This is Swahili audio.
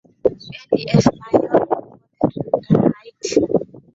eli elsmayor porte la haiti